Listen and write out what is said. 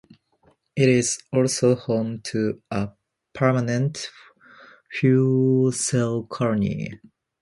It is also home to a permanent fur seal colony.